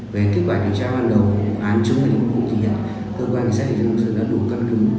về kết quả điều tra ban đầu của án chung với hành vi phục vụ thì hiện cơ quan chính sách hành vi phục vụ đã đủ căn cứ